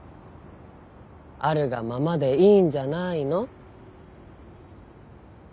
あるがままでいいんじゃないの？